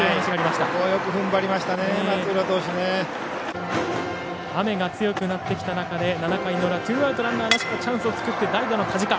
雨が強くなってきた中で７回裏ツーアウト、ランナーなしのチャンスを作って代打の田近。